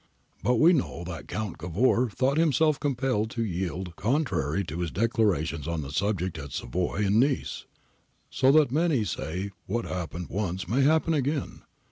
But we know that Count Cavour thought himself compelled to yield con trary to his declarations on the subject at Savoy and Nice. So that many say what happened once may happen again.